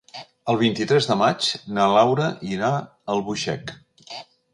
El vint-i-tres de maig na Laura irà a Albuixec.